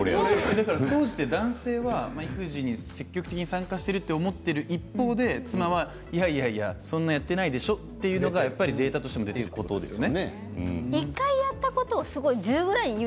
総じて男性が育児に積極的に参加していると思ってる一方で妻は、いやいやそんなにやっていないでしょうということがデータとして出ているということですね。